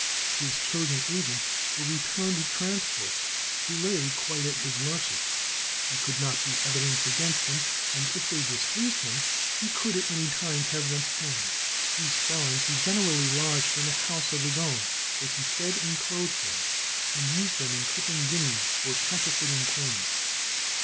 His chosen agents were returned transports, who lay quite at his mercy. They could not be evidence against him, and if they displeased him he could at any time have them hanged. These felons he generally lodged in a house of his own, where he fed and clothed them, and used them in clipping guineas or counterfeiting coin.